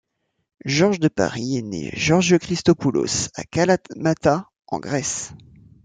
Georges de Paris est né Georgios Christopoulos à Kalamata en Grèce.